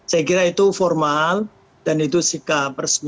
saya kira itu formal dan itu sikap resmi